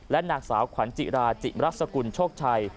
และนางสาวขวานจิราจิรัสกุลโชคชัย